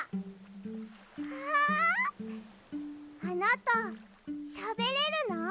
あなたしゃべれるの？